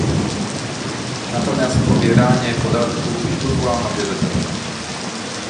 Natomiast pobieranie podatku u źródła ma wiele zalet